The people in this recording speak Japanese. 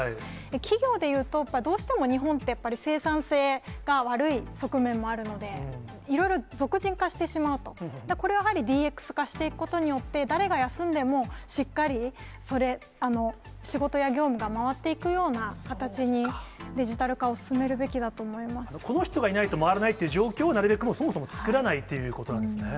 企業でいうとどうしても日本ってやっぱり生産性が悪い側面もあるので、いろいろ俗人化してしまうと、これはやはり、ＤＸ化していくことによって、誰が休んでも、しっかりそれ、仕事や業務が回っていくような形にデジタル化を進めるべきだと思この人がいないと回らないという状況をなるべくもう、そもそも作らないということなんですね。